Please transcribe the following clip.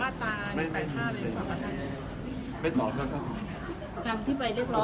คิดว่ามันเหมาะสมไหมคะ